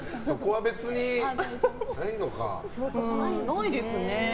ないですね。